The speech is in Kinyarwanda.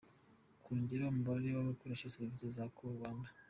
Kongera umubare wabakoresha servisi za call Rwanda .